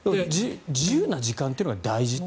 自由な時間というのが大事と。